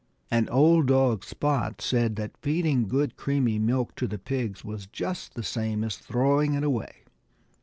And old dog Spot said that feeding good creamy milk to the pigs was just the same as throwing it away.